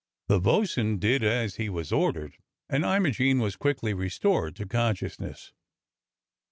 The bo'sun did as he was ordered, and Imogene was quickly restored to consciousness.